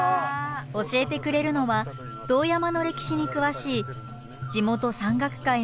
教えてくれるのは堂山の歴史に詳しい地元山岳会の